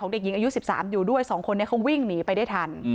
เด็กหญิงอายุ๑๓อยู่ด้วย๒คนนี้เขาวิ่งหนีไปได้ทัน